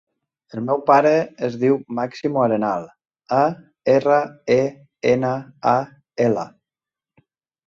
El meu pare es diu Máximo Arenal: a, erra, e, ena, a, ela.